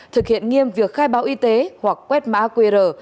đem việc khai báo y tế hoặc quét mã qr